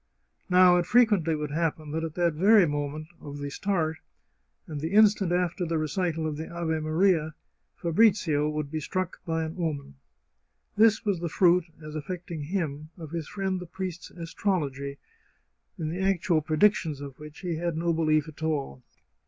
Now, it frequently would happen that at the very moment of the start, and the instant after the recital of the Ave Maria, Fabrizio would be struck by an omen. This was the fruit, as affecting him, of his friend the priest's astrology, in the actual predictions of which he had no belief at all.